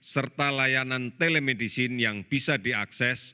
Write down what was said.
serta layanan telemedicine yang bisa diakses